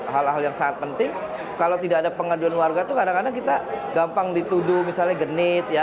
hal hal yang sangat penting kalau tidak ada pengaduan warga itu kadang kadang kita gampang dituduh misalnya genit ya